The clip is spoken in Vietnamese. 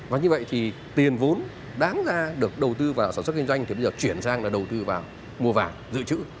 và như vậy thì tiền vốn đáng ra được đầu tư vào sản xuất kinh doanh thì bây giờ chuyển sang là đầu tư vào mua vàng dự trữ